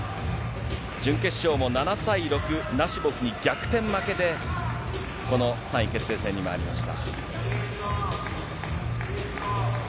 準決勝も７対６、ナシボフに逆転負けで、この３位決定戦に回りました。